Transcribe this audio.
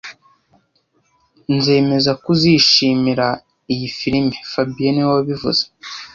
Nzemeza ko uzishimira iyi firime fabien niwe wabivuze